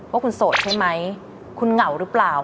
ว่าคุณโสดใช่ไหมคุณเหงาหรือเปล่า